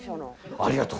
ありがとう。